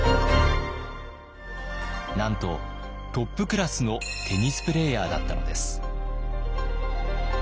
なんとトップクラスのテニスプレーヤーだったのです。